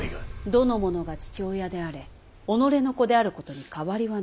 どの者が父親であれ己の子であることにかわりはない。